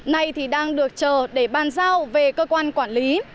nay thì đang được chờ để bàn giao về cơ quan quản lý